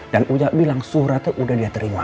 dan uya bilang suratnya udah dia terima